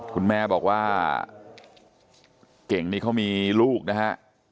คุณแม่บอกว่าเก่งนี่เขามีลูกนะฮะ